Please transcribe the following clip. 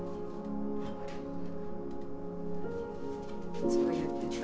いつも言ってた。